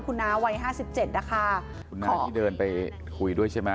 คุณน้าวัยห้าสิบเจ็ดนะคะคุณน้าที่เดินไปคุยด้วยใช่ไหม